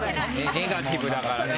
ネガティブだからね。